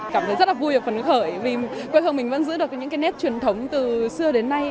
cảm thấy rất là vui và phấn khởi vì quê hương mình vẫn giữ được những cái nét truyền thống từ xưa đến nay